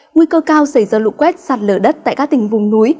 nguy cơ cao xảy ra lụ quét sạt lở đất tại các tỉnh vùng núi